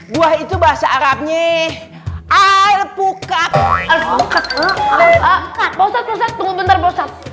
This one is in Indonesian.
buah itu bahasa arabnya air pukat